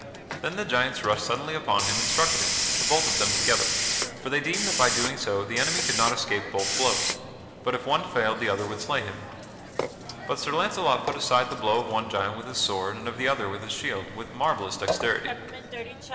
Then the giants rushed suddenly upon him and struck at him, the both of them together; for they deemed that by so doing the enemy could not escape both blows, but if one failed the other would slay him. But Sir Launcelot put aside the blow of one giant with his sword and of the other with his shield, with marvellous dexterity.